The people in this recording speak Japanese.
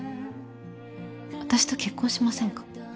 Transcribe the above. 私と結婚しませんか。